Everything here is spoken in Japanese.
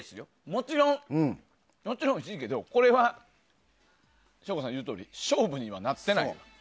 もちろんおいしいけどこれは、省吾さんの言うとおり勝負にはなってない。